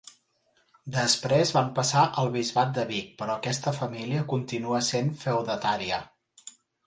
Després van passar al bisbat de Vic però aquesta família continuà sent feudatària.